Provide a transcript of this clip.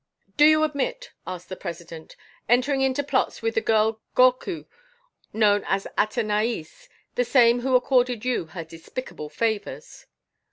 "Do you admit," asked the President, "entering into plots with the girl Gorcut, known as Athenaïs, the same who accorded you her despicable favours?"